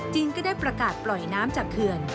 ก็ได้ประกาศปล่อยน้ำจากเขื่อน